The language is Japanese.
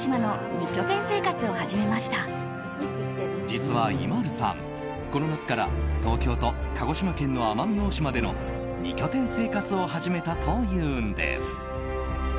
実は、ＩＭＡＬＵさんこの夏から東京と鹿児島県の奄美大島での２拠点生活を始めたというんです。